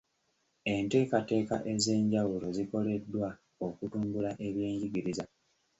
Enteekateeka ez'enjawulo zikoleddwa okutumbula ebyenjigiriza.